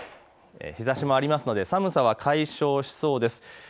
日ざしもありますので寒さは解消しそうです。